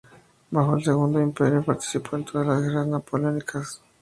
Bajo el Segundo Imperio, participó en todas Guerras Napoleónicas.